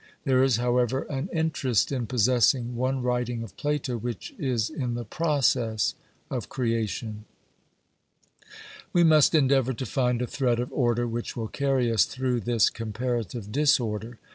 There is, however, an interest in possessing one writing of Plato which is in the process of creation. We must endeavour to find a thread of order which will carry us through this comparative disorder.